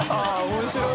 面白い！